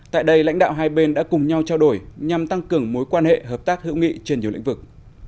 tại đây lãnh đạo hai bên đã cùng nhau trao đổi nhằm tăng cường mối quan hệ hợp tác hữu nghị trên nhiều lĩnh vực